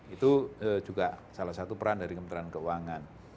itu juga salah satu peran dari kementerian keuangan